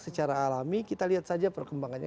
secara alami kita lihat saja perkembangannya